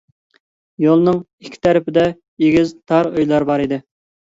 يولنىڭ ئىككى تەرىپىدە ئېگىز تار ئۆيلەر بار ئىدى.